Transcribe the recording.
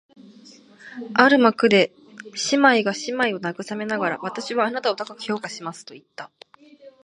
ある幕で姉娘が妹娘を慰めながら、「私はあなたを高く評価します」と言った